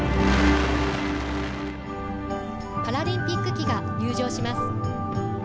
パラリンピック旗が入場します。